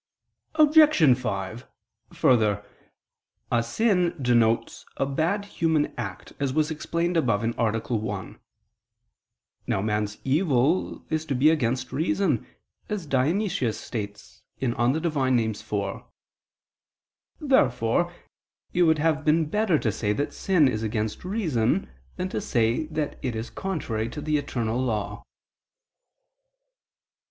Obj. 5: Further, a sin denotes a bad human act, as was explained above (A. 1). Now man's evil is to be against reason, as Dionysius states (Div. Nom. iv). Therefore it would have been better to say that sin is against reason than to say that it is contrary to the eternal law.